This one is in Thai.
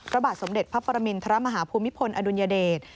พระบาทสมเด็จพระปรมินทรมาฮภูมิพลอดุลยเดช